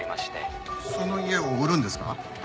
その家を売るんですか？